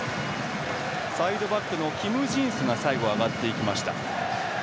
サイドバックのキム・ジンスが最後、上がっていきました。